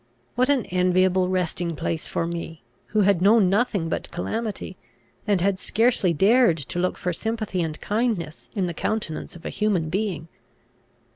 What an enviable resting place for me, who had known nothing but calamity, and had scarcely dared to look for sympathy and kindness in the countenance of a human being!